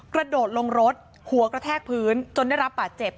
กระโดดลงรถหัวกระแทกพื้นจนได้รับบาดเจ็บ